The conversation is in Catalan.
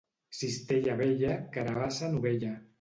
Cistella vella, carabassa novella.